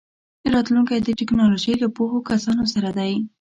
راتلونکی د ټیکنالوژۍ له پوهو کسانو سره دی.